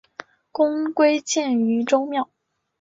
公归荐于周庙。